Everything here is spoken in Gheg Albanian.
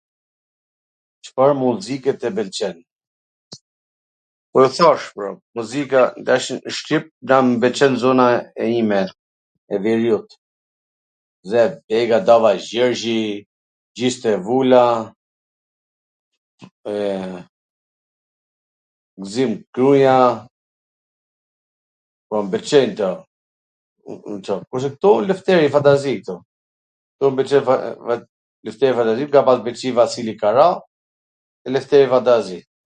Cfar muzike tw pwlqen? Tw thash pra, muzika, ajo shqip, m pwlqen zona e ime, e Veriut, Zef Gega, Dava Gjergji, Xhyste Vula, eee, Gzim Kruja, po m pwlqejn kto, kurse ktu Lefteri Pantazi ktu, ktu m pwlqen Lefteri Pantazi, m ka pwlqy Vasili Kara, Lefteri Pantazi.